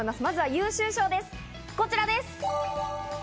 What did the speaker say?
まずは優秀賞です、こちらです！